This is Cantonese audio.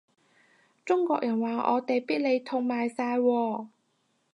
中國人話我哋啲必理痛賣晒喎